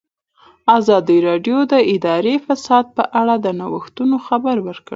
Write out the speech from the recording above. ازادي راډیو د اداري فساد په اړه د نوښتونو خبر ورکړی.